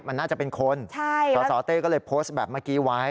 มันน่าจะเป็นคนสสเต้ก็เลยโพสต์แบบเมื่อกี้ไว้